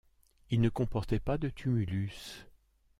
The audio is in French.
Il ne comportait pas de tumulus.